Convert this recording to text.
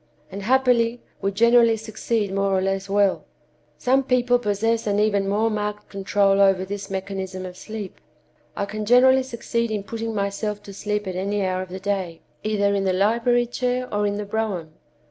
And, happily, we generally succeed more or less well. Some people possess an even more marked control over this mechanism of sleep. I can generally succeed in putting myself to sleep at any hour of the day, either in the library chair or in the brougham.